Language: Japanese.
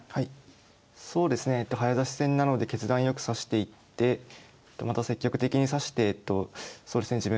そうですね早指し戦なので決断よく指していってまた積極的に指してそうですね